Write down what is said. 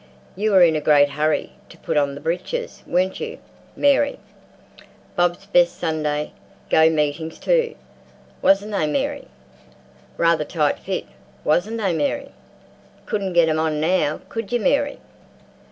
"You were in a great hurry to put on the breeches, weren't you, Mary?" "Bob's best Sunday go meetin's, too, wasn't they, Mary?" "Rather tight fit, wasn't they, Mary?" "Couldn't get 'em on now, could you, Mary?"